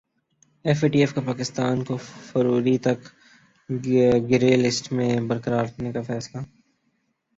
F A T F کا پاکستان کو فروری تک گرے لسٹ میں برقرار رکھنے کا فیصلہ